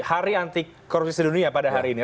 hari anti korupsi sedunia pada hari ini